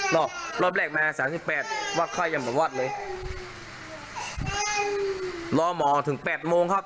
มารบแรกมา๓๘ว่าไข้จะเปล่าว่าเลยหนอนถึงปั๊บโมงครับ